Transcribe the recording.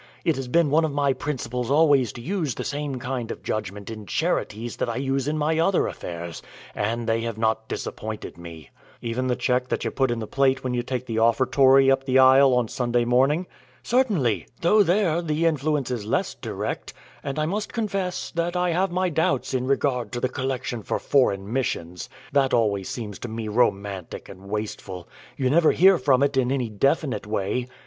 It has been one of my principles always to use the same kind of judgment in charities that I use in my other affairs, and they have not disappointed me." "Even the check that you put in the plate when you take the offertory up the aisle on Sunday morning?" "Certainly; though there the influence is less direct; and I must confess that I have my doubts in regard to the collection for Foreign Missions. That always seems to me romantic and wasteful. You never hear from it in any definite way.